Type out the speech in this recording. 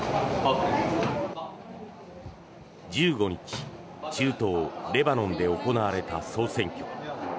１５日中東レバノンで行われた総選挙。